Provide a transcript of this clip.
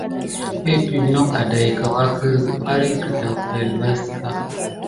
Eppipe nok adaïka wake bari kedaou epəŋle vaka.